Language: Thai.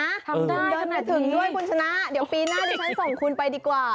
ทำได้ขนาดนี้คุณชนะเดี๋ยวปีหน้าฉันส่งคุณไปดีกว่า